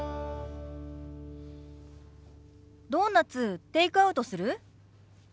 ドーナツテイクアウトする？